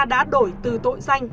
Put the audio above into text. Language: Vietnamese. đã đổi từ tội danh